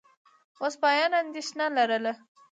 وسپاسیان اندېښنه لرله.